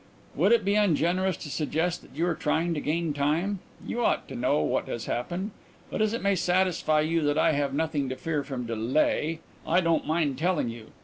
"Would it be ungenerous to suggest that you are trying to gain time? You ought to know what has happened. But as it may satisfy you that I have nothing to fear from delay, I don't mind telling you.